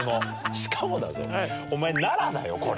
しかもだぞお前奈良だよこれ。